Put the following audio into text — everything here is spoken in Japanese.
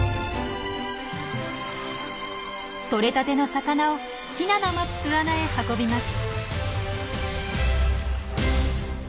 とれたての魚をヒナの待つ巣穴へ運びます。